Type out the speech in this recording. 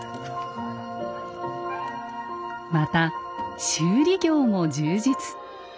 また修理業も充実。